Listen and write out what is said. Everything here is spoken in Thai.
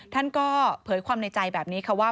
ท่านก็เผยความในใจแบบนี้ค่ะว่า